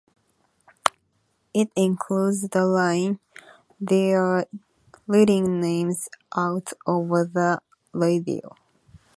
It includes the line, They're reading names out over the radio.